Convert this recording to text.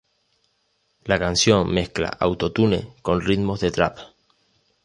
La canción mezcla Auto-Tune con ritmos de trap.